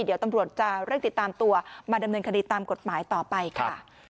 เดี๋ยวตำรวจจะเร่งติดตามตัวมาดำเนินคดีตามกฎหมายต่อไปค่ะ